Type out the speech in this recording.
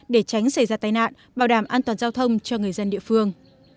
để tránh xảy ra tai nạn bảo đảm an toàn giao thông cho người dân địa phương